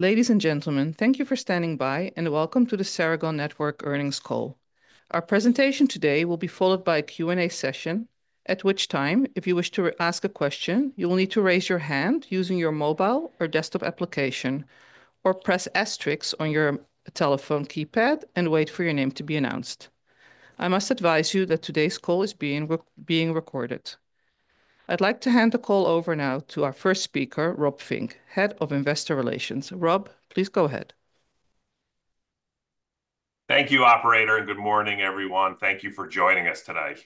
Ladies and gentlemen, thank you for standing by and welcome to the Ceragon Networks Earnings Call. Our presentation today will be followed by a Q&A session, at which time, if you wish to ask a question, you will need to raise your hand using your mobile or desktop application, or press asterisk on your telephone keypad and wait for your name to be announced. I must advise you that today's call is being recorded. I'd like to hand the call over now to our first speaker, Rob Fink, Head of Investor Relations. Rob, please go ahead. Thank you, Operator, and good morning, everyone. Thank you for joining us today.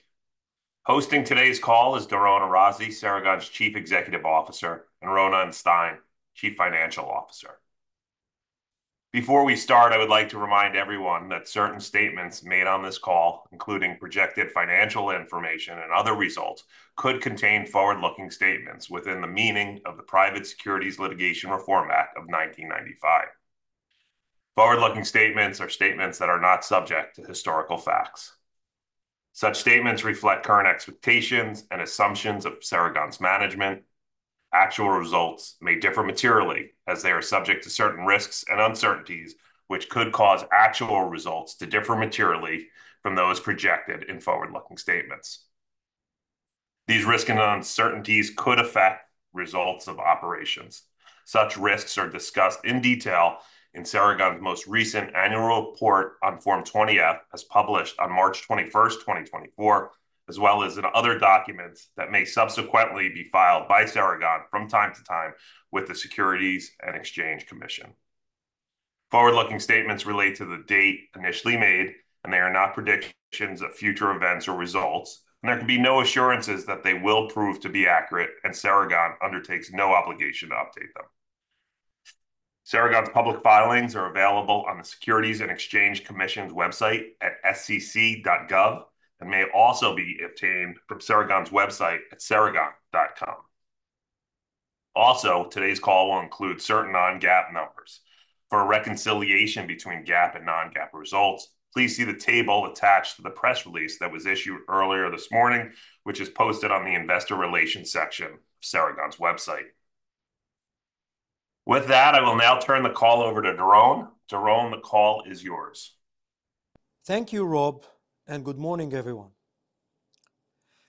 Hosting today's call is Doron Arazi, Ceragon's Chief Executive Officer, and Ronen Stein, Chief Financial Officer. Before we start, I would like to remind everyone that certain statements made on this call, including projected financial information and other results, could contain forward-looking statements within the meaning of the Private Securities Litigation Reform Act of 1995. Forward-looking statements are statements that are not subject to historical facts. Such statements reflect current expectations and assumptions of Ceragon's management. Actual results may differ materially as they are subject to certain risks and uncertainties, which could cause actual results to differ materially from those projected in forward-looking statements. These risks and uncertainties could affect results of operations. Such risks are discussed in detail in Ceragon's most recent annual report on Form 20-F, as published on March 21st, 2024, as well as in other documents that may subsequently be filed by Ceragon from time to time with the Securities and Exchange Commission. Forward-looking statements relate to the date initially made, and they are not predictions of future events or results, and there can be no assurances that they will prove to be accurate, and Ceragon undertakes no obligation to update them. Ceragon's public filings are available on the Securities and Exchange Commission's website at sec.gov and may also be obtained from Ceragon's website at ceragon.com. Also, today's call will include certain non-GAAP numbers. For reconciliation between GAAP and non-GAAP results, please see the table attached to the press release that was issued earlier this morning, which is posted on the Investor Relations section of Ceragon's website. With that, I will now turn the call over to Doron. Doron, the call is yours. Thank you, Rob, and good morning, everyone.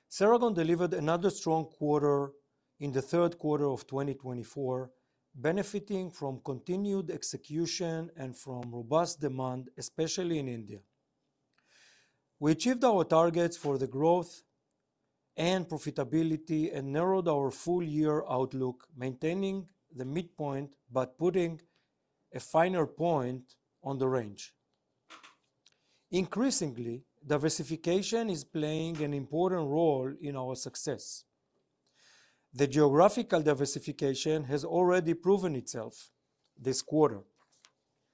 Ceragon delivered another strong quarter in the third quarter of 2024, benefiting from continued execution and from robust demand, especially in India. We achieved our targets for the growth and profitability and narrowed our full-year outlook, maintaining the midpoint but putting a finer point on the range. Increasingly, diversification is playing an important role in our success. The geographical diversification has already proven itself this quarter,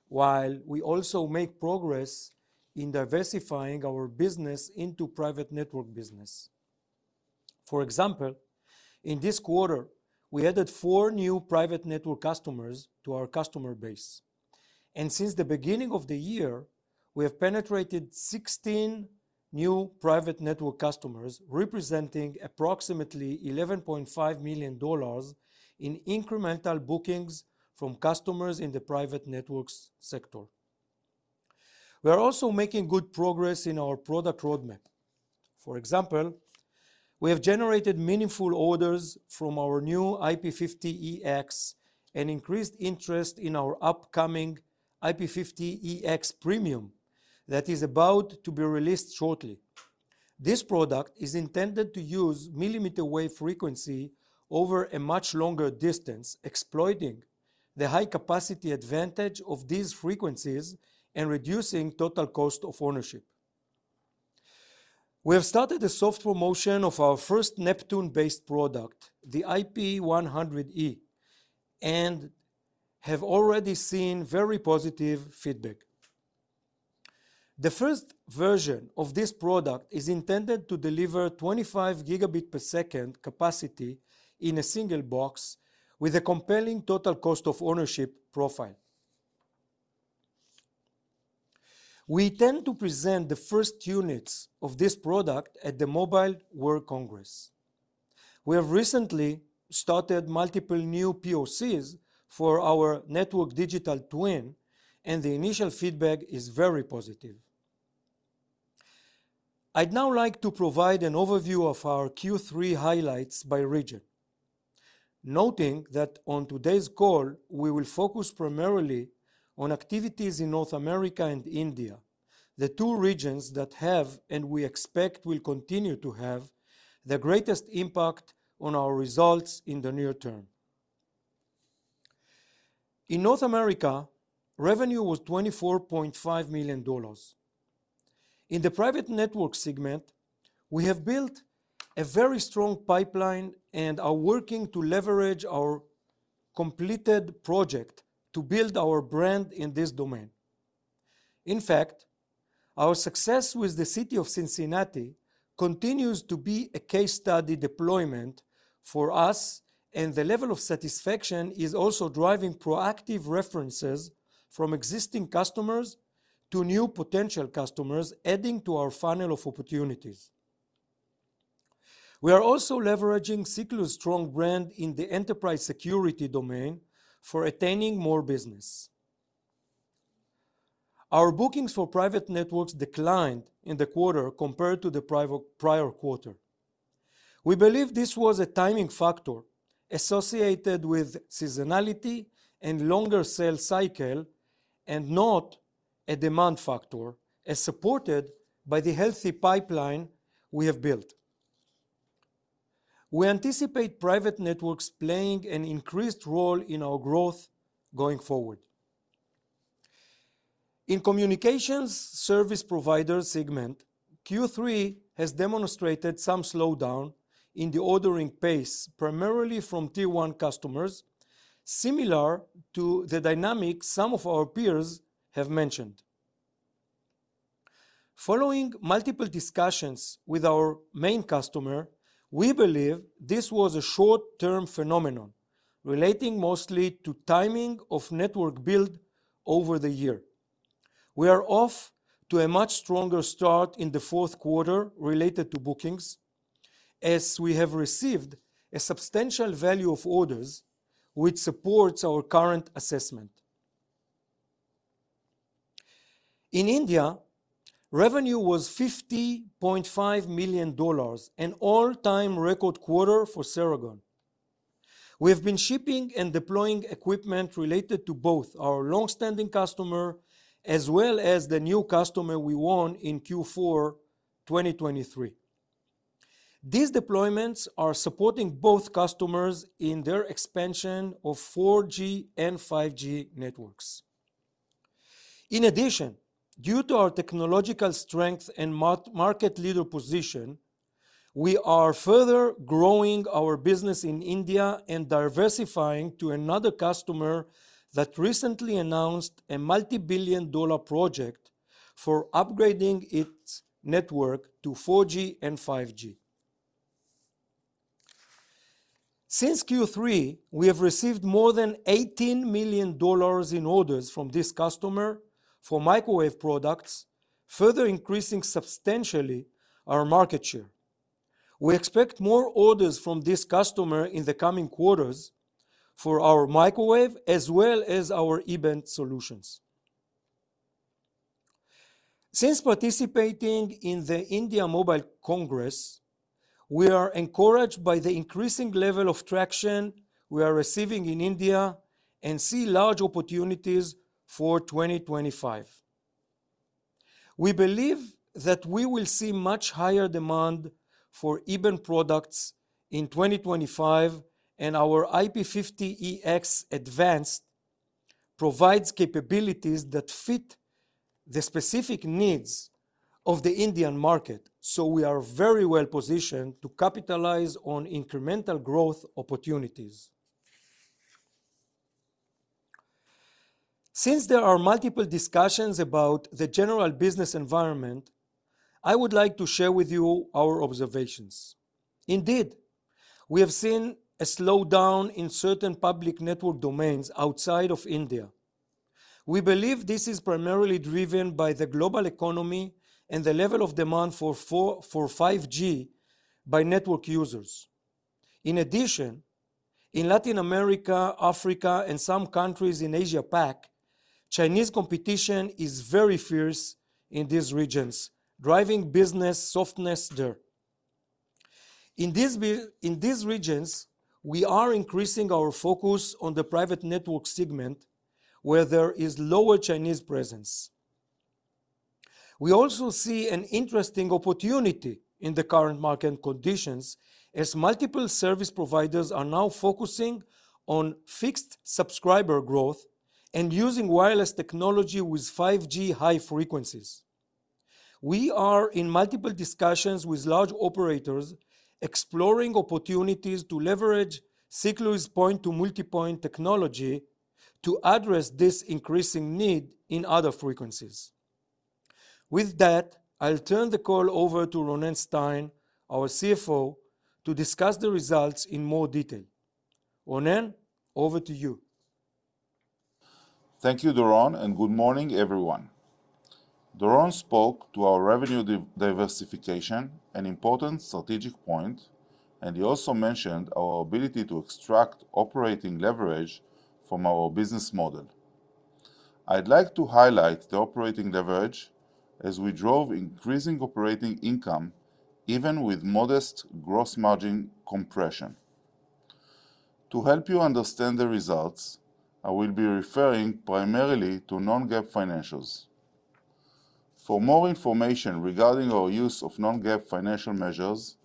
while we also make progress in diversifying our business into private network business. For example, in this quarter, we added four new private network customers to our customer base, and since the beginning of the year, we have penetrated 16 new private network customers, representing approximately $11.5 million in incremental bookings from customers in the private networks sector. We are also making good progress in our product roadmap. For example, we have generated meaningful orders from our new IP-50EX and increased interest in our upcoming IP-50EX Premium that is about to be released shortly. This product is intended to use millimeter wave frequency over a much longer distance, exploiting the high-capacity advantage of these frequencies and reducing total cost of ownership. We have started a soft promotion of our first Neptune-based product, the IP-100E, and have already seen very positive feedback. The first version of this product is intended to deliver 25 Gb per second capacity in a single box with a compelling total cost of ownership profile. We intend to present the first units of this product at the Mobile World Congress. We have recently started multiple new POCs for our Network Digital Twin, and the initial feedback is very positive. I'd now like to provide an overview of our Q3 highlights by region, noting that on today's call, we will focus primarily on activities in North America and India, the two regions that have, and we expect will continue to have, the greatest impact on our results in the near term. In North America, revenue was $24.5 million. In the private network segment, we have built a very strong pipeline and are working to leverage our completed project to build our brand in this domain. In fact, our success with the city of Cincinnati continues to be a case study deployment for us, and the level of satisfaction is also driving proactive references from existing customers to new potential customers, adding to our funnel of opportunities. We are also leveraging Siklu's strong brand in the enterprise security domain for attaining more business. Our bookings for private networks declined in the quarter compared to the prior quarter. We believe this was a timing factor associated with seasonality and longer sales cycle, and not a demand factor, as supported by the healthy pipeline we have built. We anticipate private networks playing an increased role in our growth going forward. In communications service provider segment, Q3 has demonstrated some slowdown in the ordering pace, primarily from tier one customers, similar to the dynamic some of our peers have mentioned. Following multiple discussions with our main customer, we believe this was a short-term phenomenon relating mostly to timing of network build over the year. We are off to a much stronger start in the fourth quarter related to bookings, as we have received a substantial value of orders, which supports our current assessment. In India, revenue was $50.5 million, an all-time record quarter for Ceragon. We have been shipping and deploying equipment related to both our longstanding customer as well as the new customer we won in Q4 2023. These deployments are supporting both customers in their expansion of 4G and 5G networks. In addition, due to our technological strength and market leader position, we are further growing our business in India and diversifying to another customer that recently announced a multi-billion dollar project for upgrading its network to 4G and 5G. Since Q3, we have received more than $18 million in orders from this customer for microwave products, further increasing substantially our market share. We expect more orders from this customer in the coming quarters for our microwave as well as our E-band solutions. Since participating in the India Mobile Congress, we are encouraged by the increasing level of traction we are receiving in India and see large opportunities for 2025. We believe that we will see much higher demand for E-band products in 2025, and our IP-50EX Advanced provides capabilities that fit the specific needs of the Indian market, so we are very well positioned to capitalize on incremental growth opportunities. Since there are multiple discussions about the general business environment, I would like to share with you our observations. Indeed, we have seen a slowdown in certain public network domains outside of India. We believe this is primarily driven by the global economy and the level of demand for 5G by network users. In addition, in Latin America, Africa, and some countries in Asia-Pac, Chinese competition is very fierce in these regions, driving business softness there. In these regions, we are increasing our focus on the private network segment, where there is lower Chinese presence. We also see an interesting opportunity in the current market conditions, as multiple service providers are now focusing on fixed subscriber growth and using wireless technology with 5G high frequencies. We are in multiple discussions with large operators, exploring opportunities to leverage Siklu's point-to-multipoint technology to address this increasing need in other frequencies. With that, I'll turn the call over to Ronen Stein, our CFO, to discuss the results in more detail. Ronen, over to you. Thank you, Doron, and good morning, everyone. Doron spoke to our revenue diversification, an important strategic point, and he also mentioned our ability to extract operating leverage from our business model. I'd like to highlight the operating leverage as we drove increasing operating income, even with modest gross margin compression. To help you understand the results, I will be referring primarily to non-GAAP financials. For more information regarding our use of non-GAAP financial measures,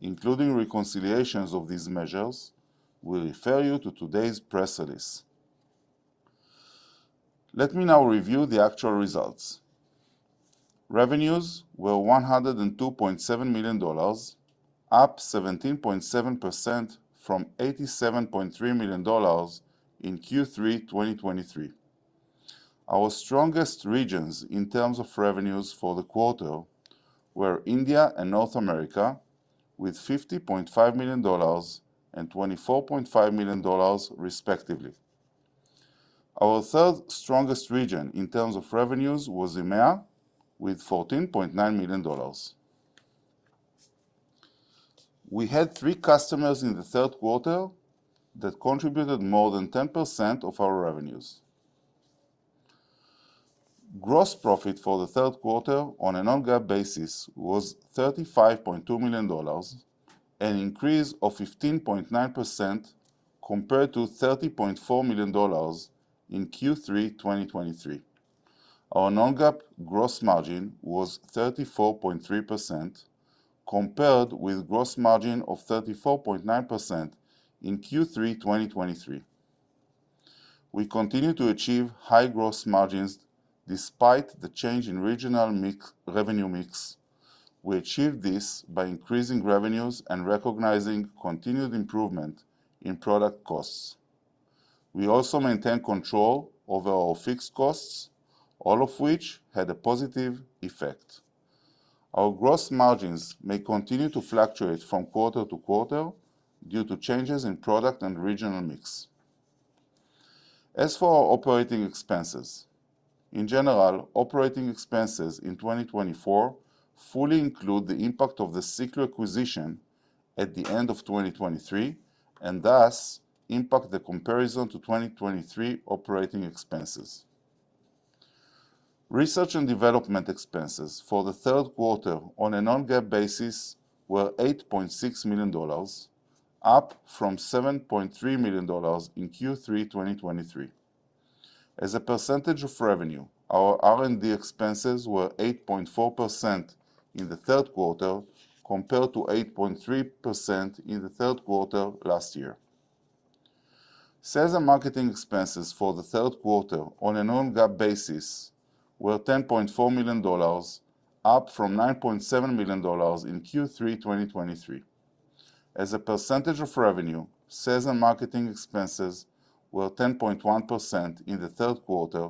including reconciliations of these measures, we refer you to today's press release. Let me now review the actual results. Revenues were $102.7 million, up 17.7% from $87.3 million in Q3 2023. Our strongest regions in terms of revenues for the quarter were India and North America, with $50.5 million and $24.5 million, respectively. Our third strongest region in terms of revenues was EMEA, with $14.9 million. We had three customers in the third quarter that contributed more than 10% of our revenues. Gross profit for the third quarter on a non-GAAP basis was $35.2 million, an increase of 15.9% compared to $30.4 million in Q3 2023. Our non-GAAP gross margin was 34.3%, compared with a gross margin of 34.9% in Q3 2023. We continue to achieve high gross margins despite the change in regional revenue mix. We achieved this by increasing revenues and recognizing continued improvement in product costs. We also maintain control over our fixed costs, all of which had a positive effect. Our gross margins may continue to fluctuate from quarter to quarter due to changes in product and regional mix. As for our operating expenses, in general, operating expenses in 2024 fully include the impact of the Siklu acquisition at the end of 2023 and thus impact the comparison to 2023 operating expenses. Research and development expenses for the third quarter on a non-GAAP basis were $8.6 million, up from $7.3 million in Q3 2023. As a percentage of revenue, our R&D expenses were 8.4% in the third quarter compared to 8.3% in the third quarter last year. Sales and marketing expenses for the third quarter on a non-GAAP basis were $10.4 million, up from $9.7 million in Q3 2023. As a percentage of revenue, sales and marketing expenses were 10.1% in the third quarter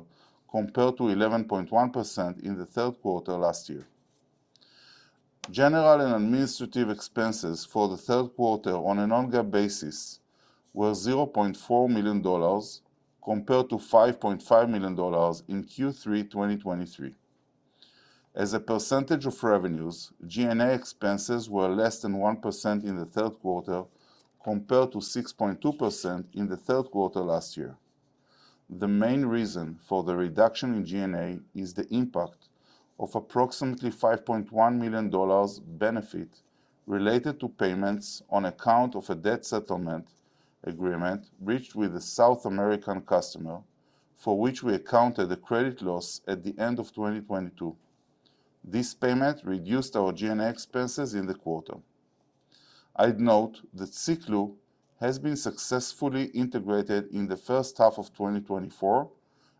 compared to 11.1% in the third quarter last year. General and administrative expenses for the third quarter on a non-GAAP basis were $0.4 million compared to $5.5 million in Q3 2023. As a percentage of revenues, G&A expenses were less than 1% in the third quarter compared to 6.2% in the third quarter last year. The main reason for the reduction in G&A is the impact of approximately $5.1 million benefit related to payments on account of a debt settlement agreement reached with a South American customer, for which we accounted a credit loss at the end of 2022. This payment reduced our G&A expenses in the quarter. I'd note that Siklu has been successfully integrated in the first half of 2024,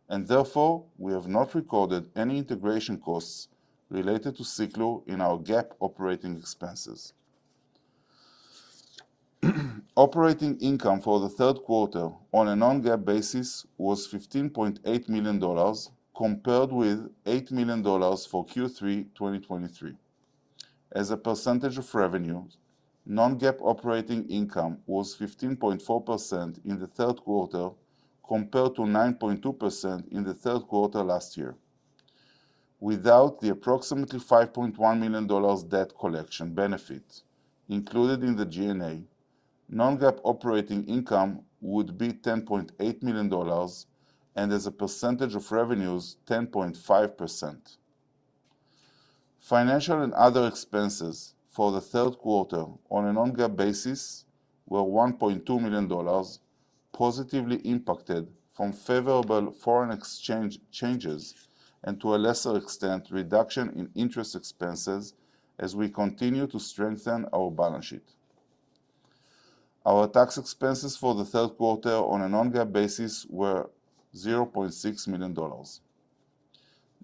and therefore we have not recorded any integration costs related to Siklu in our GAAP operating expenses. Operating income for the third quarter on a non-GAAP basis was $15.8 million compared with $8 million for Q3 2023. As a percentage of revenue, non-GAAP operating income was 15.4% in the third quarter compared to 9.2% in the third quarter last year. Without the approximately $5.1 million debt collection benefit included in the G&A, non-GAAP operating income would be $10.8 million and, as a percentage of revenues, 10.5%. Financial and other expenses for the third quarter on a non-GAAP basis were $1.2 million, positively impacted from favorable foreign exchange changes and, to a lesser extent, reduction in interest expenses as we continue to strengthen our balance sheet. Our tax expenses for the third quarter on a non-GAAP basis were $0.6 million.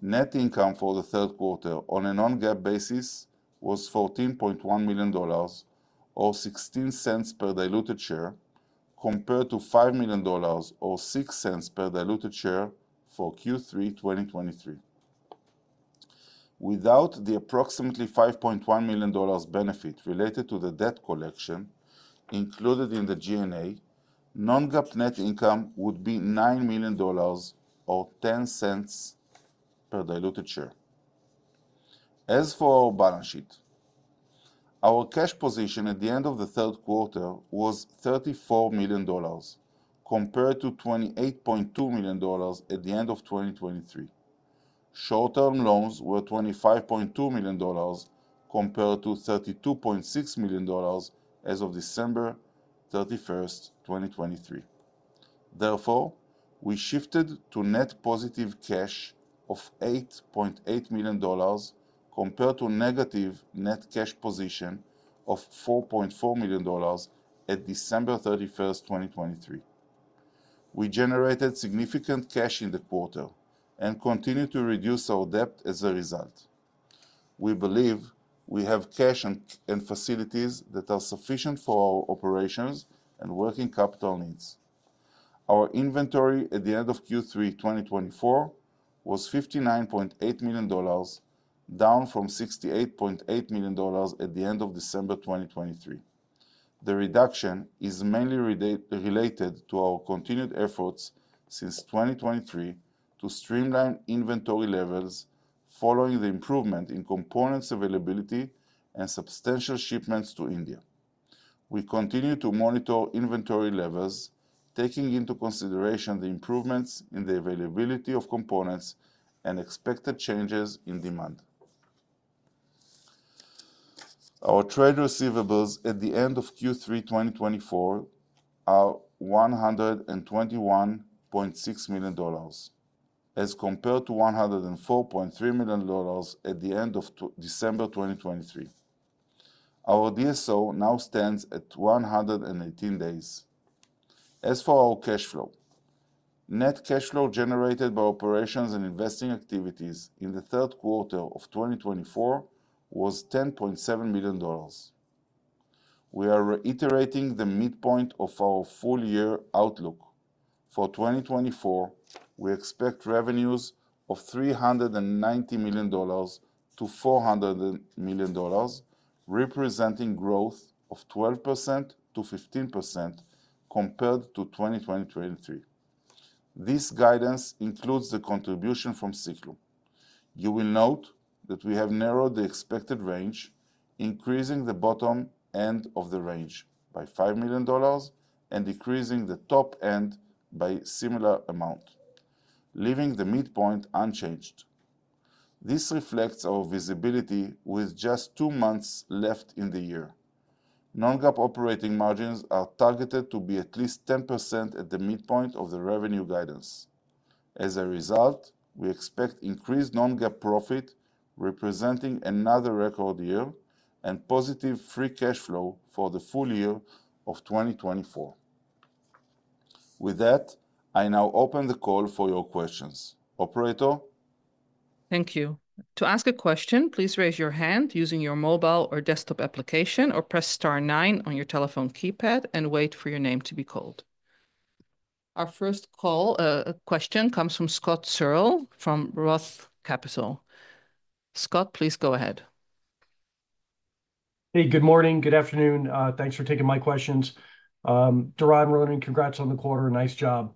Net income for the third quarter on a non-GAAP basis was $14.1 million or $0.16 per diluted share compared to $5 million or $0.06 per diluted share for Q3 2023. Without the approximately $5.1 million benefit related to the debt collection included in the G&A, non-GAAP net income would be $9 million or $0.10 per diluted share. As for our balance sheet, our cash position at the end of the third quarter was $34 million compared to $28.2 million at the end of 2023. Short-term loans were $25.2 million compared to $32.6 million as of December 31st, 2023. Therefore, we shifted to net positive cash of $8.8 million compared to negative net cash position of $4.4 million at December 31st, 2023. We generated significant cash in the quarter and continue to reduce our debt as a result. We believe we have cash and facilities that are sufficient for our operations and working capital needs. Our inventory at the end of Q3 2024 was $59.8 million, down from $68.8 million at the end of December 2023. The reduction is mainly related to our continued efforts since 2023 to streamline inventory levels following the improvement in components availability and substantial shipments to India. We continue to monitor inventory levels, taking into consideration the improvements in the availability of components and expected changes in demand. Our trade receivables at the end of Q3 2024 are $121.6 million as compared to $104.3 million at the end of December 2023. Our DSO now stands at 118 days. As for our cash flow, net cash flow generated by operations and investing activities in the third quarter of 2024 was $10.7 million. We are reiterating the midpoint of our full-year outlook. For 2024, we expect revenues of $390 million-$400 million, representing growth of 12%-15% compared to 2023. This guidance includes the contribution from Siklu. You will note that we have narrowed the expected range, increasing the bottom end of the range by $5 million and decreasing the top end by a similar amount, leaving the midpoint unchanged. This reflects our visibility with just two months left in the year. Non-GAAP operating margins are targeted to be at least 10% at the midpoint of the revenue guidance. As a result, we expect increased non-GAAP profit representing another record year and positive free cash flow for the full year of 2024. With that, I now open the call for your questions. Operator. Thank you. To ask a question, please raise your hand using your mobile or desktop application or press star nine on your telephone keypad and wait for your name to be called. Our first call. A question comes from Scott Searle from Roth Capital. Scott, please go ahead. Hey, good morning, good afternoon. Thanks for taking my questions. Doron, Ronen, congrats on the quarter. Nice job.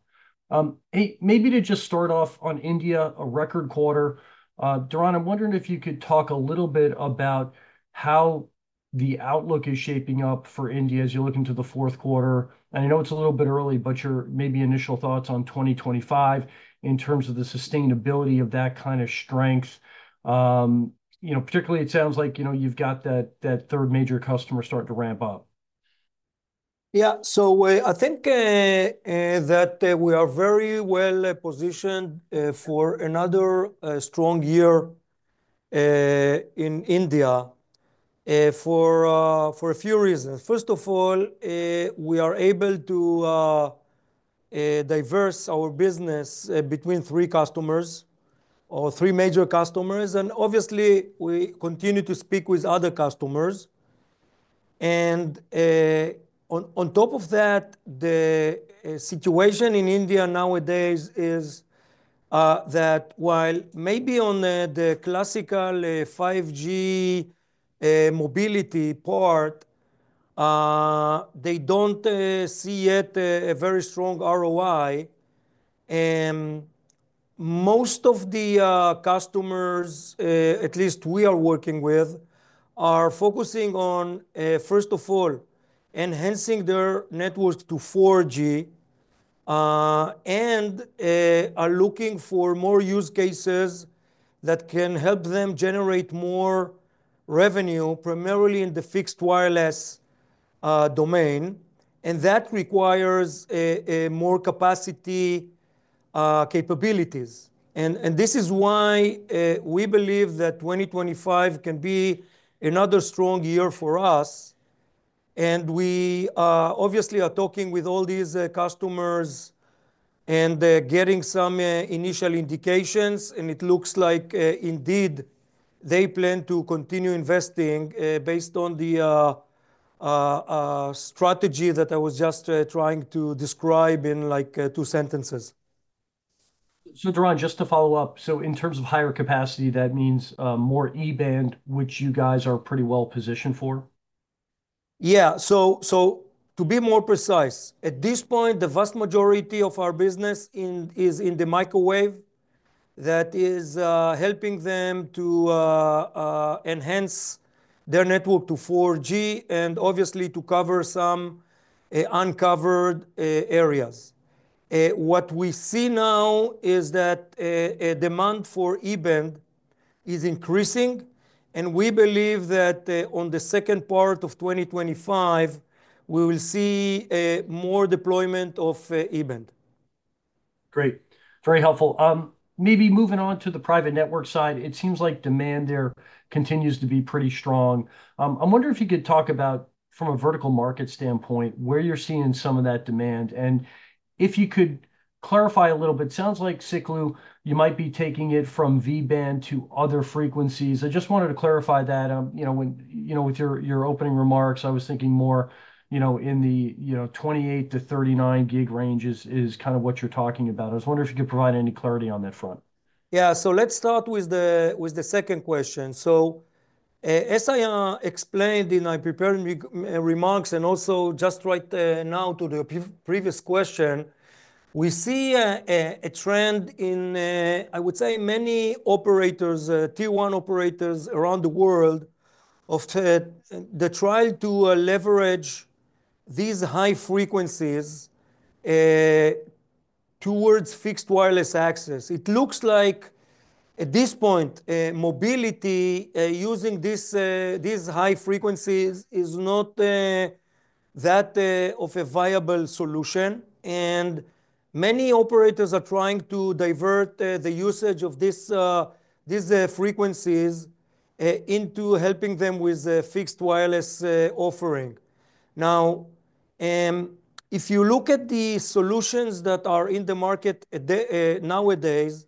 Hey, maybe to just start off on India, a record quarter. Doron, I'm wondering if you could talk a little bit about how the outlook is shaping up for India as you're looking to the fourth quarter. And I know it's a little bit early, but your maybe initial thoughts on 2025 in terms of the sustainability of that kind of strength. You know, particularly, it sounds like, you know, you've got that third major customer starting to ramp up. Yeah, so I think that we are very well positioned for another strong year in India for a few reasons. First of all, we are able to diversify our business between three customers or three major customers. And obviously, we continue to speak with other customers, and on top of that, the situation in India nowadays is that while maybe on the classical 5G mobility part, they don't see yet a very strong ROI. And most of the customers, at least we are working with, are focusing on first of all enhancing their network to 4G, and are looking for more use cases that can help them generate more revenue, primarily in the fixed wireless domain. And that requires more capacity capabilities, and this is why we believe that 2025 can be another strong year for us. We obviously are talking with all these customers and getting some initial indications. It looks like indeed they plan to continue investing based on the strategy that I was just trying to describe in like two sentences. So, Doron, just to follow up, so in terms of higher capacity, that means, more E-band, which you guys are pretty well positioned for? Yeah, so, so to be more precise, at this point, the vast majority of our business in India is in the microwave, that is, helping them to enhance their network to 4G and obviously to cover some uncovered areas. What we see now is that demand for E-band is increasing. And we believe that, on the second part of 2025, we will see more deployment of E-band. Great. Very helpful. Maybe moving on to the private network side, it seems like demand there continues to be pretty strong. I'm wondering if you could talk about, from a vertical market standpoint, where you're seeing some of that demand. And if you could clarify a little bit, sounds like Siklu, you might be taking it from V-band to other frequencies. I just wanted to clarify that, you know, with your opening remarks, I was thinking more, you know, in the, you know, 28-39 gig ranges is kind of what you're talking about. I was wondering if you could provide any clarity on that front. Yeah, so let's start with the second question. As I explained in my preparing remarks and also just right now to the previous question, we see a trend in, I would say many operators, tier one operators around the world of the trial to leverage these high frequencies towards fixed wireless access. It looks like at this point, mobility using these high frequencies is not that of a viable solution. And many operators are trying to divert the usage of these frequencies into helping them with fixed wireless offering. Now, if you look at the solutions that are in the market nowadays,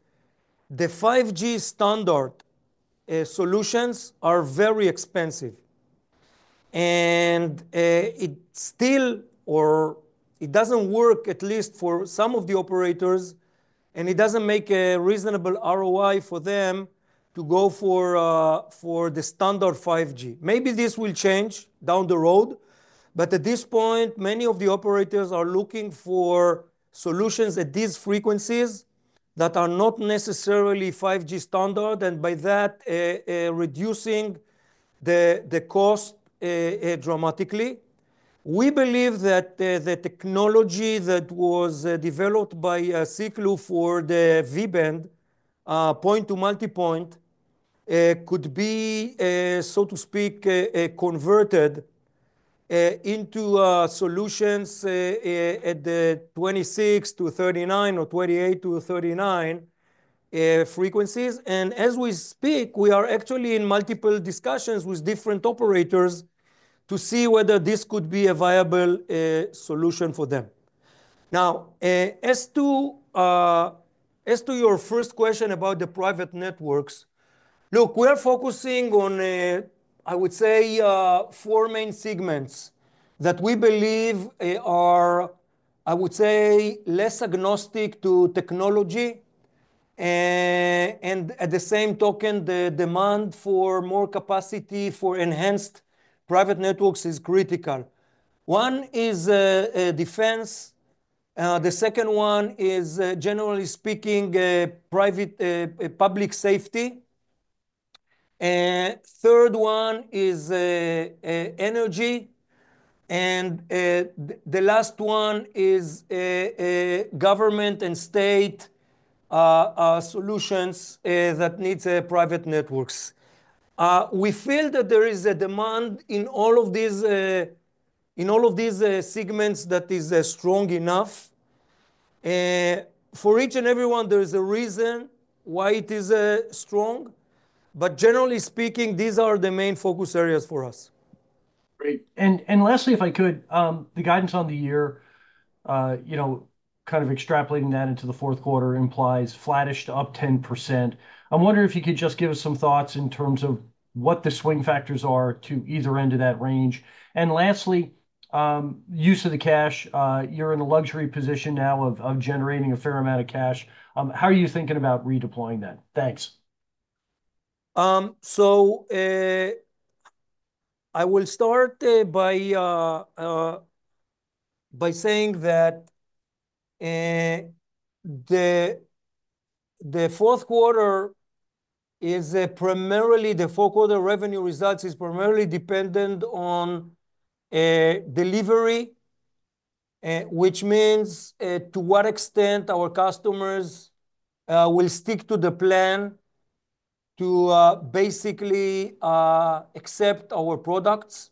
the 5G standard solutions are very expensive. And it still or it doesn't work, at least for some of the operators, and it doesn't make a reasonable ROI for them to go for the standard 5G. Maybe this will change down the road, but at this point, many of the operators are looking for solutions at these frequencies that are not necessarily 5G standard. And by that, reducing the, the cost, dramatically. We believe that, the technology that was, developed by, Siklu for the V-band, point-to-multipoint, could be, so to speak, converted, into, solutions, at the 26-39 or 28-39 frequencies. And as we speak, we are actually in multiple discussions with different operators to see whether this could be a viable, solution for them. Now, as to, as to your first question about the private networks, look, we are focusing on, I would say, four main segments that we believe, are, I would say, less agnostic to technology. And at the same token, the demand for more capacity for enhanced private networks is critical. One is, defense. The second one is, generally speaking, private public safety. The third one is energy, and the last one is government and state solutions that needs private networks. We feel that there is a demand in all of these, in all of these, segments that is strong enough. For each and everyone, there is a reason why it is strong, but generally speaking, these are the main focus areas for us. Great. And lastly, if I could, the guidance on the year, you know, kind of extrapolating that into the fourth quarter implies flattish to up 10%. I'm wondering if you could just give us some thoughts in terms of what the swing factors are to either end of that range? And lastly, use of the cash, you're in a luxury position now of generating a fair amount of cash. How are you thinking about redeploying that? Thanks. So, I will start by saying that the fourth quarter revenue results is primarily dependent on delivery, which means to what extent our customers will stick to the plan to basically accept our products.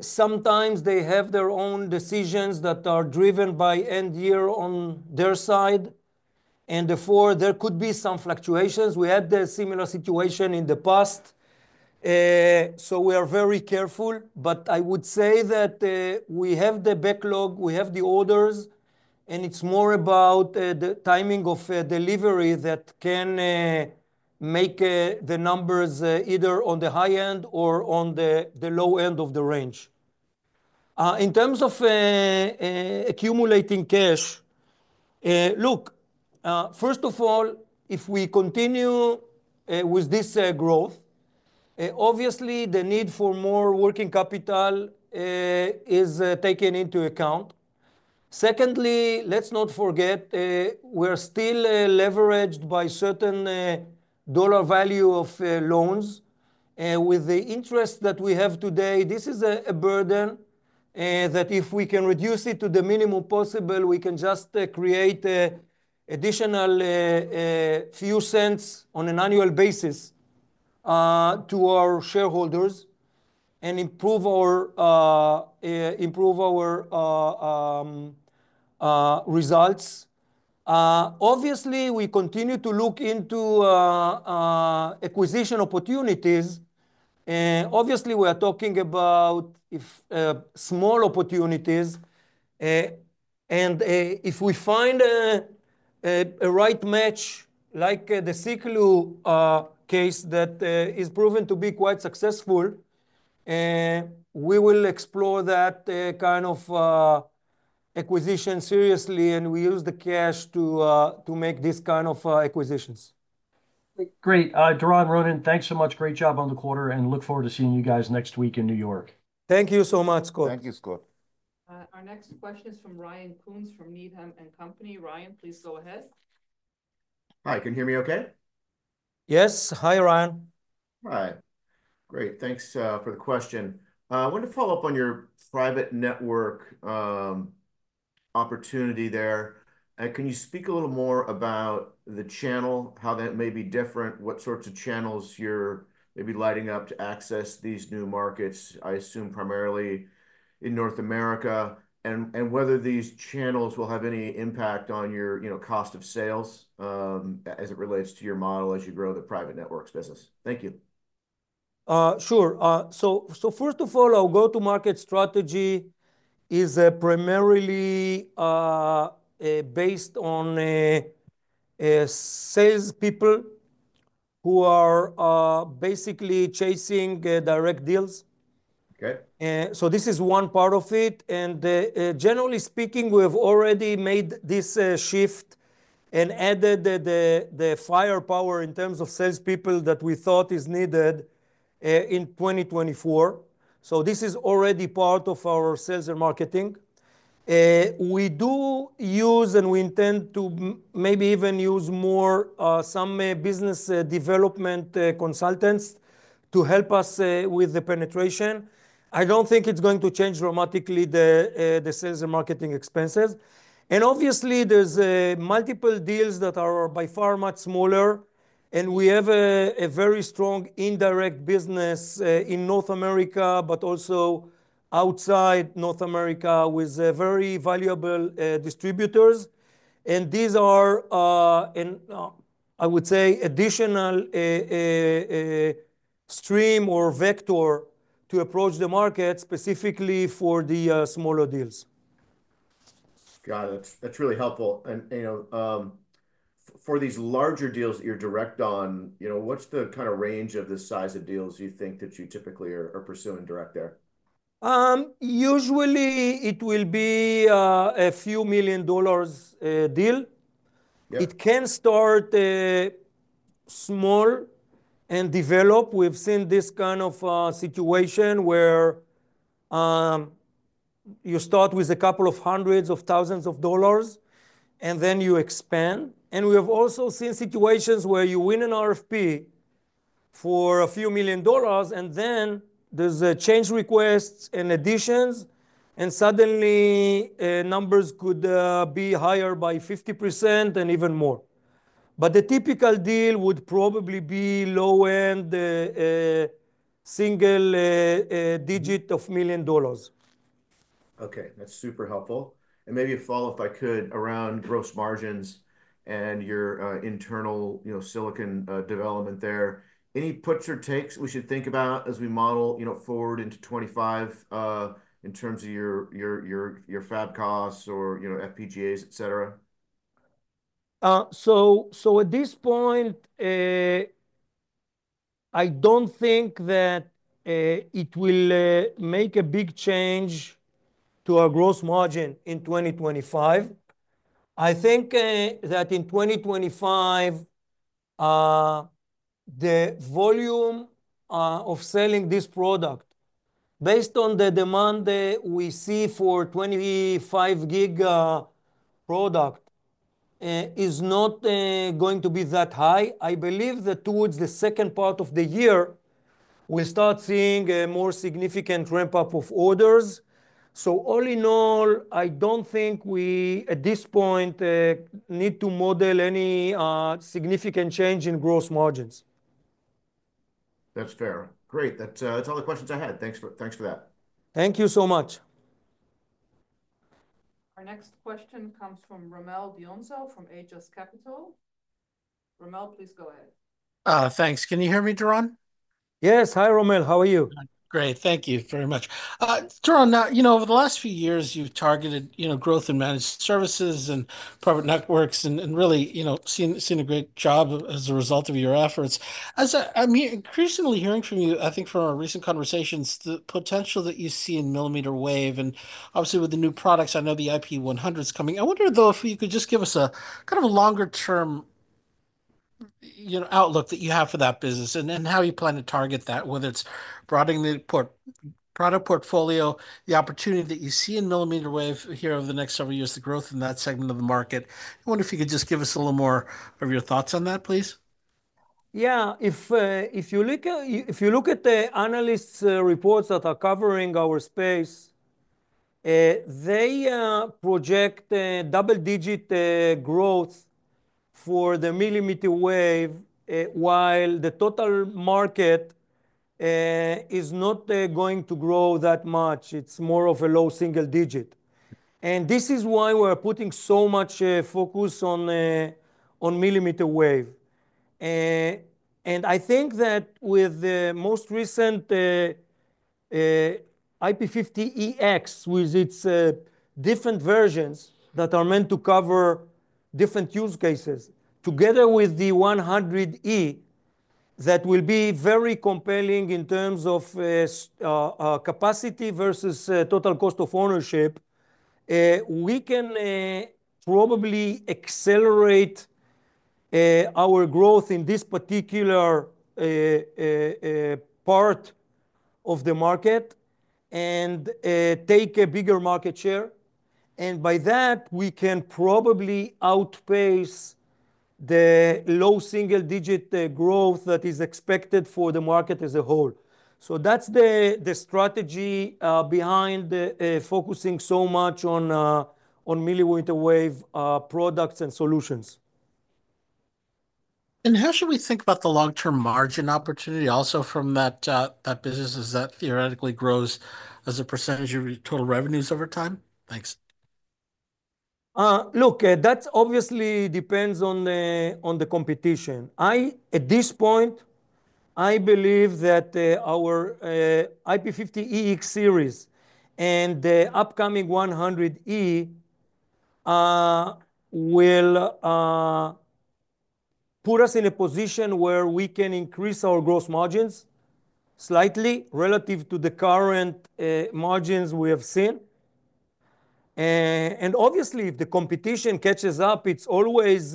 Sometimes they have their own decisions that are driven by end year on their side. And therefore, there could be some fluctuations. We had the similar situation in the past. So we are very careful, but I would say that we have the backlog, we have the orders, and it's more about the timing of delivery that can make the numbers either on the high end or on the low end of the range. In terms of accumulating cash, look, first of all, if we continue with this growth, obviously the need for more working capital is taken into account. Secondly, let's not forget we are still leveraged by certain dollar value of loans. With the interest that we have today, this is a burden that if we can reduce it to the minimum possible, we can just create an additional few cents on an annual basis to our shareholders and improve our results. Obviously, we continue to look into acquisition opportunities. Obviously, we are talking about small opportunities, and if we find a right match, like the Siklu case that is proven to be quite successful, we will explore that kind of acquisition seriously and we use the cash to make this kind of acquisitions. Great. Doron, Ronen, thanks so much. Great job on the quarter, and look forward to seeing you guys next week in New York. Thank you so much, Scott. Thank you, Scott. Our next question is from Ryan Koontz from Needham & Company. Ryan, please go ahead. Hi, can you hear me okay? Yes. Hi, Ryan. All right. Great. Thanks for the question. I want to follow up on your private network opportunity there. Can you speak a little more about the channel, how that may be different, what sorts of channels you're maybe lighting up to access these new markets, I assume primarily in North America, and whether these channels will have any impact on your, you know, cost of sales, as it relates to your model as you grow the private networks business? Thank you. Sure. So first of all, our go-to-market strategy is primarily based on salespeople who are basically chasing direct deals. Okay. So this is one part of it. And, generally speaking, we have already made this shift and added the firepower in terms of salespeople that we thought is needed in 2024. So this is already part of our sales and marketing. We do use and we intend to maybe even use more some business development consultants to help us with the penetration. I don't think it's going to change dramatically the sales and marketing expenses. And obviously, there's multiple deals that are by far much smaller. And we have a very strong indirect business in North America, but also outside North America with very valuable distributors. And these are, and I would say additional stream or vector to approach the market specifically for the smaller deals. Got it. That's really helpful. And, you know, for these larger deals that you're direct on, you know, what's the kind of range of the size of deals you think that you typically are pursuing direct there? Usually it will be a few million dollars deal. Yeah. It can start small and develop. We've seen this kind of situation where you start with a couple of hundreds of thousands of dollars and then you expand, and we have also seen situations where you win an RFP for a few million dollars and then there's a change request and additions, and suddenly numbers could be higher by 50% and even more, but the typical deal would probably be low-end single-digit million dollars. Okay. That's super helpful. And maybe a follow-up, if I could, around gross margins and your internal, you know, silicon development there. Any puts or takes we should think about as we model, you know, forward into 2025, in terms of your fab costs or, you know, FPGAs, et cetera? So at this point, I don't think that it will make a big change to our gross margin in 2025. I think that in 2025, the volume of selling this product based on the demand that we see for 25 gig product is not going to be that high. I believe that towards the second part of the year, we'll start seeing a more significant ramp up of orders. So all in all, I don't think we at this point need to model any significant change in gross margins. That's fair. Great. That's, that's all the questions I had. Thanks for, thanks for that. Thank you so much. Our next question comes from Rommel Dionisio from Aegis Capital. Rommel, please go ahead. Thanks. Can you hear me, Doron? Yes. Hi, Rommel. How are you? Great. Thank you very much. Doron, now, you know, over the last few years, you've targeted, you know, growth and managed services and private networks and really, you know, done a great job as a result of your efforts. I'm increasingly hearing from you, I think from our recent conversations, the potential that you see in millimeter wave and obviously with the new products. I know the IP-100E is coming. I wonder though if you could just give us a kind of a longer term, you know, outlook that you have for that business and how you plan to target that, whether it's broadening our product portfolio, the opportunity that you see in millimeter wave here over the next several years, the growth in that segment of the market. I wonder if you could just give us a little more of your thoughts on that, please. Yeah. If you look at the analysts' reports that are covering our space, they project double-digit growth for the millimeter wave, while the total market is not going to grow that much. It's more of a low single-digit. And this is why we're putting so much focus on millimeter wave. And I think that with the most recent IP-50EX with its different versions that are meant to cover different use cases together with the IP-100E that will be very compelling in terms of capacity versus total cost of ownership, we can probably accelerate our growth in this particular part of the market and take a bigger market share. And by that, we can probably outpace the low single-digit growth that is expected for the market as a whole. So that's the strategy behind focusing so much on millimeter wave products and solutions. How should we think about the long-term margin opportunity also from that, that business as that theoretically grows as a percentage of your total revenues over time? Thanks. Look, that obviously depends on the competition. I, at this point, I believe that our IP-50EX series and the upcoming IP-100E will put us in a position where we can increase our gross margins slightly relative to the current margins we have seen. And obviously, if the competition catches up, it's always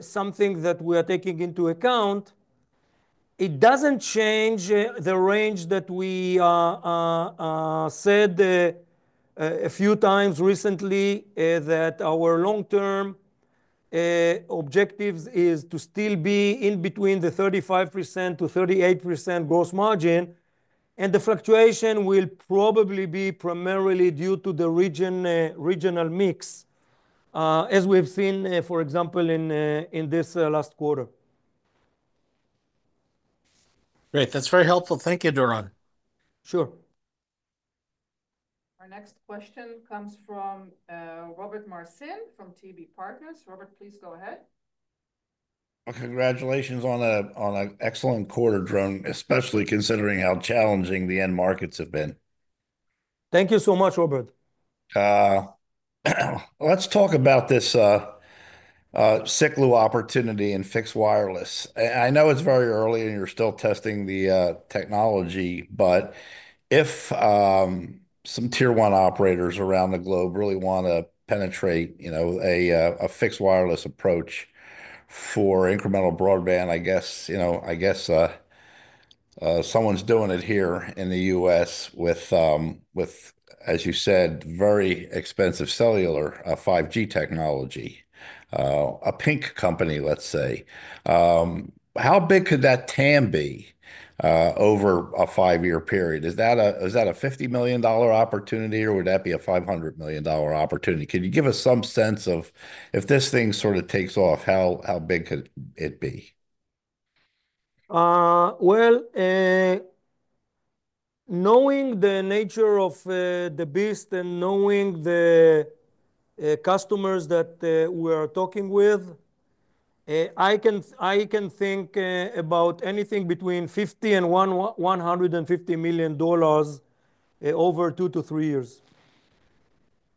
something that we are taking into account. It doesn't change the range that we said a few times recently, that our long-term objectives is to still be in between the 35%-38% gross margin. And the fluctuation will probably be primarily due to the regional mix, as we've seen, for example, in this last quarter. Great. That's very helpful. Thank you, Doron. Sure. Our next question comes from Robert Marcin from TB Partners. Robert, please go ahead. Congratulations on an excellent quarter, Doron, especially considering how challenging the end markets have been. Thank you so much, Robert. Let's talk about this Siklu opportunity and fixed wireless. I know it's very early and you're still testing the technology, but if some tier one operators around the globe really wanna penetrate, you know, a fixed wireless approach for incremental broadband, I guess, you know, I guess, someone's doing it here in the U.S. with, as you said, very expensive cellular 5G technology, a pink company, let's say. How big could that TAM be over a five-year period? Is that a $50 million opportunity or would that be a $500 million opportunity? Could you give us some sense of if this thing sort of takes off, how big could it be? Knowing the nature of the beast and knowing the customers that we are talking with, I can, I can think about anything between $50 million and $150 million over two years-three years.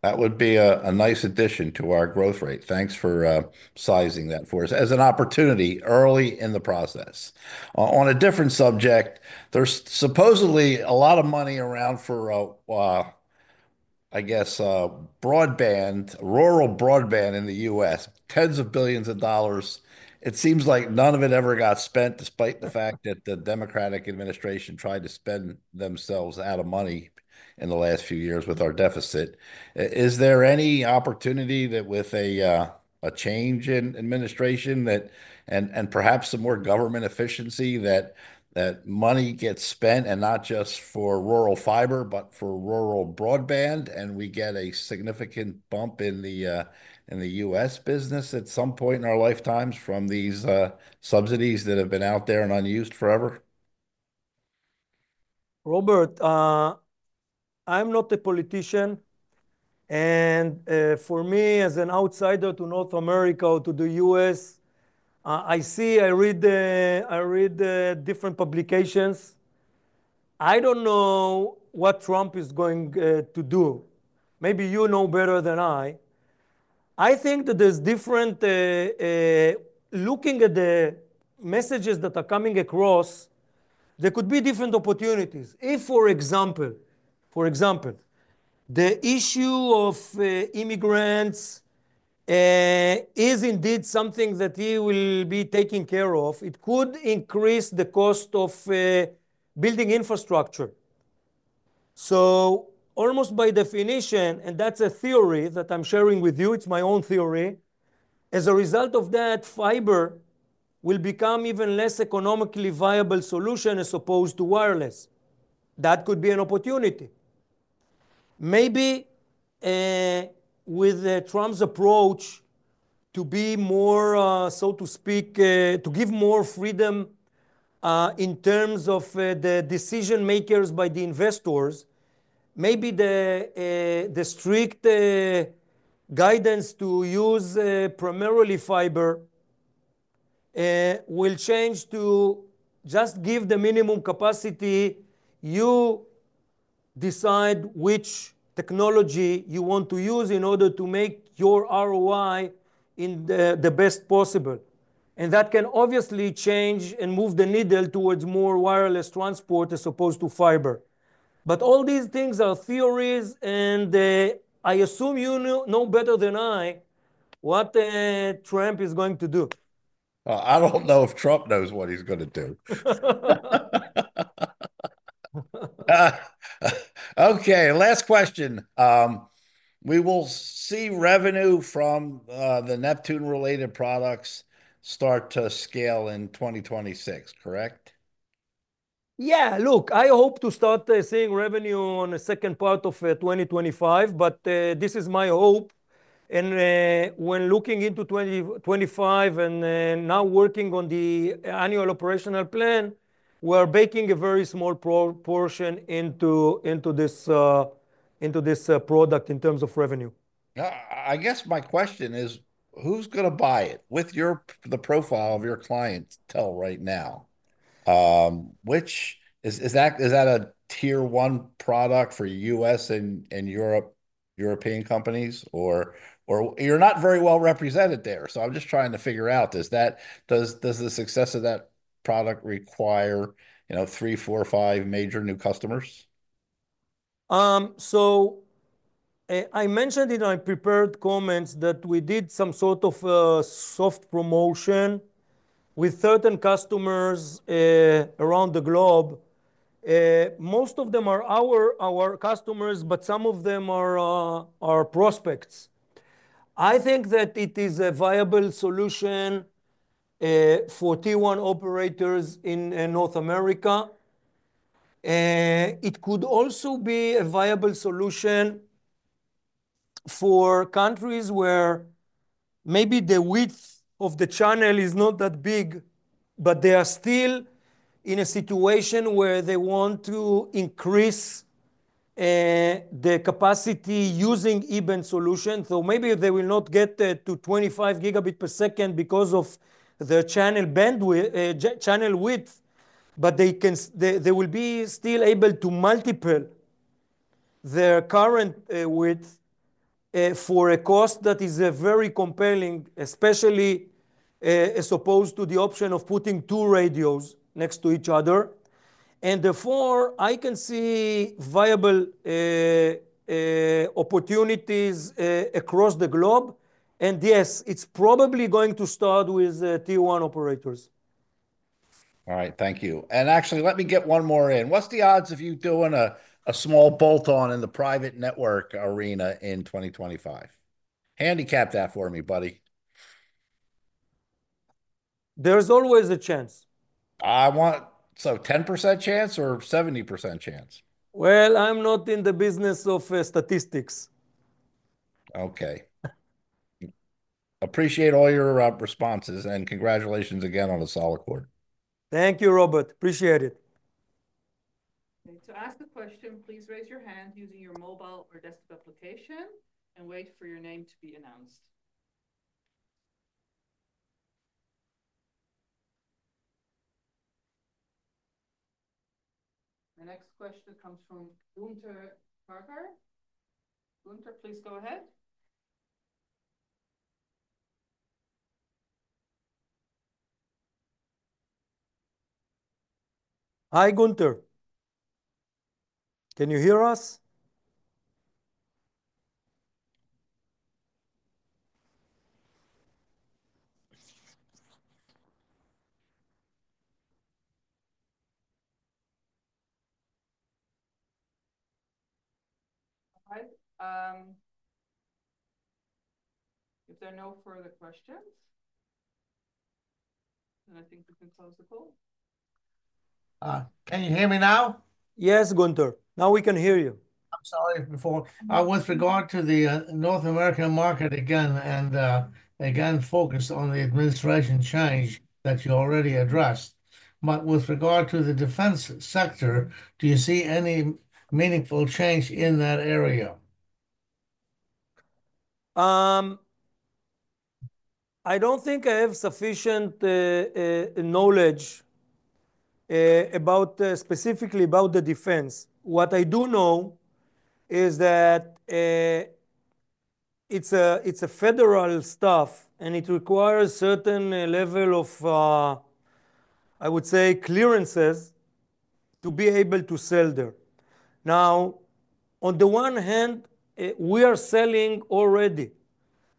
That would be a nice addition to our growth rate. Thanks for sizing that for us as an opportunity early in the process. On a different subject, there's supposedly a lot of money around for, I guess, broadband, rural broadband in the U.S., tens of billions of dollars. It seems like none of it ever got spent despite the fact that the Democratic administration tried to spend themselves out of money in the last few years with our deficit. Is there any opportunity that with a change in administration that and perhaps some more government efficiency that that money gets spent and not just for rural fiber, but for rural broadband and we get a significant bump in the in the U.S. business at some point in our lifetimes from these subsidies that have been out there and unused forever? Robert, I'm not a politician. For me, as an outsider to North America or to the U.S., I see, I read different publications. I don't know what Trump is going to do. Maybe you know better than I. I think that there's different looking at the messages that are coming across, there could be different opportunities. If, for example, the issue of immigrants is indeed something that he will be taking care of, it could increase the cost of building infrastructure. Almost by definition, and that's a theory that I'm sharing with you, it's my own theory, as a result of that, fiber will become even less economically viable solution as opposed to wireless. That could be an opportunity. Maybe with Trump's approach to be more, so to speak, to give more freedom in terms of the decision makers by the investors, maybe the strict guidance to use primarily fiber will change to just give the minimum capacity. You decide which technology you want to use in order to make your ROI in the best possible, and that can obviously change and move the needle towards more wireless transport as opposed to fiber, but all these things are theories and I assume you know better than I what Trump is going to do. I don't know if Trump knows what he's gonna do. Okay. Last question. We will see revenue from the Neptune-related products start to scale in 2026, correct? Yeah. Look, I hope to start seeing revenue on the second part of 2025, but this is my hope. And when looking into 2025 and now working on the annual operational plan, we are baking a very small proportion into this product in terms of revenue. I guess my question is, who's gonna buy it with the profile of your clientele right now? Which is, is that a tier one product for U.S. and Europe, European companies or you're not very well represented there. So I'm just trying to figure out, does the success of that product require, you know, three, four, five major new customers? So, I mentioned in my prepared comments that we did some sort of soft promotion with certain customers around the globe. Most of them are our customers, but some of them are our prospects. I think that it is a viable solution for tier one operators in North America. It could also be a viable solution for countries where maybe the width of the channel is not that big, but they are still in a situation where they want to increase the capacity using E-band solution. So maybe they will not get to 25 Gb per second because of their channel bandwidth, channel width, but they can they will be still able to multiple their current width for a cost that is very compelling, especially as opposed to the option of putting two radios next to each other. And therefore, I can see viable opportunities across the globe. Yes, it's probably going to start with Tier 1 operators. All right. Thank you. And actually, let me get one more in. What's the odds of you doing a small bolt-on in the private network arena in 2025? Handicap that for me, buddy. There's always a chance. I want, so 10% chance or 70% chance? I'm not in the business of statistics. Okay. Appreciate all your responses and congratulations again on the solid quarter. Thank you, Robert. Appreciate it. Okay. To ask the question, please raise your hand using your mobile or desktop application and wait for your name to be announced. The next question comes from Gunther Karger. Gunther, please go ahead. Hi, Gunther. Can you hear us? All right. If there are no further questions, then I think we can close the call. Can you hear me now? Yes, Gunther. Now we can hear you. I'm sorry. With regard to the North American market again, and again focus on the administration change that you already addressed, but with regard to the defense sector, do you see any meaningful change in that area? I don't think I have sufficient knowledge about specifically the defense. What I do know is that it's a federal stuff and it requires certain level of, I would say, clearances to be able to sell there. Now, on the one hand, we are selling already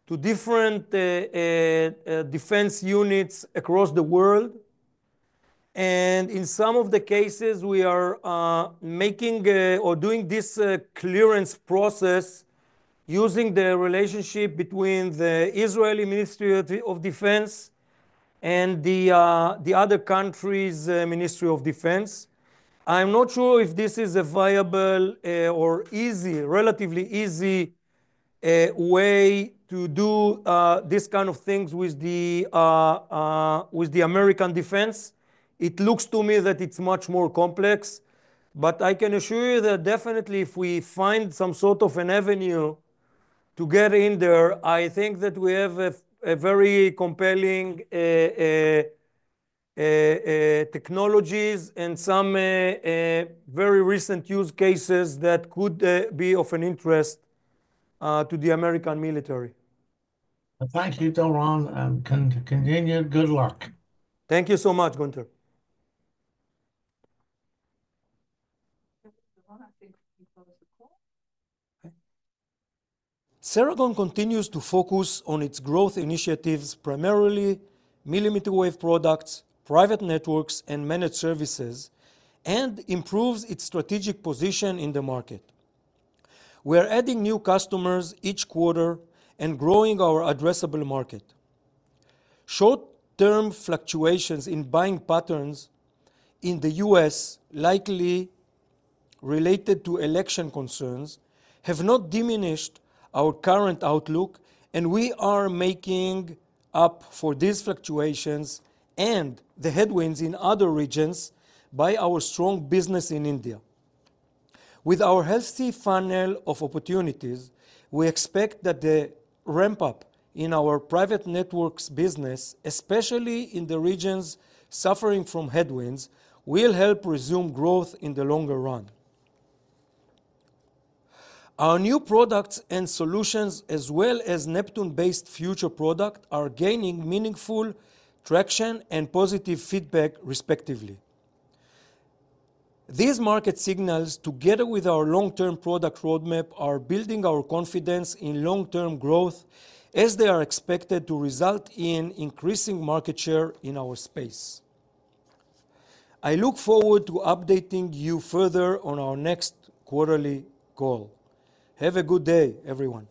to different defense units across the world. In some of the cases, we are making or doing this clearance process using the relationship between the Israeli Ministry of Defense and the other countries' Ministry of Defense. I'm not sure if this is a viable or relatively easy way to do this kind of things with the American defense. It looks to me that it's much more complex, but I can assure you that definitely if we find some sort of an avenue to get in there, I think that we have a very compelling technologies and some very recent use cases that could be of an interest to the American military. Thank you, Doron. And can continue. Good luck. Thank you so much, Gunther. Ceragon continues to focus on its growth initiatives, primarily millimeter wave products, private networks, and managed services, and improves its strategic position in the market. We are adding new customers each quarter and growing our addressable market. Short-term fluctuations in buying patterns in the U.S., likely related to election concerns, have not diminished our current outlook, and we are making up for these fluctuations and the headwinds in other regions by our strong business in India. With our healthy funnel of opportunities, we expect that the ramp-up in our private networks business, especially in the regions suffering from headwinds, will help resume growth in the longer run. Our new products and solutions, as well as Neptune-based future product, are gaining meaningful traction and positive feedback, respectively. These market signals, together with our long-term product roadmap, are building our confidence in long-term growth as they are expected to result in increasing market share in our space. I look forward to updating you further on our next quarterly call. Have a good day, everyone.